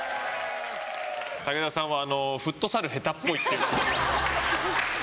武田さんはフットサル下手っぽい。